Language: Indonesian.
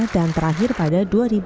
dan terakhir pada dua ribu sebelas